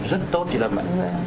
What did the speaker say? rất tốt chị lâm ạ